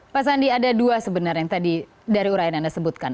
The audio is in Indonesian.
pak sandi ada dua sebenarnya yang tadi dari urayan anda sebutkan